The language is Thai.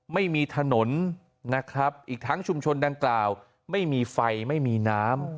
ไม่มีถนนนะครับอีกทั้งชุมชนดังกล่าวไม่มีไฟไม่มีน้ำ